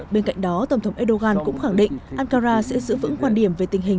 bên cạnh đó tổng thống erdogan cũng khẳng định ankara sẽ giữ vững quan điểm về tình hình